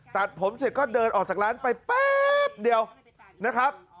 ตัดผมเสร็จก็เดินออกจากร้านไปแป๊บเดียวนะครับ